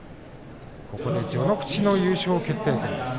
ここで序ノ口の優勝決定戦です。